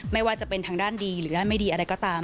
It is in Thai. ไม่ว่าจะเป็นทางด้านดีหรือด้านไม่ดีอะไรก็ตาม